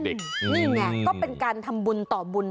นี่ไงก็เป็นการทำบุญต่อบุญ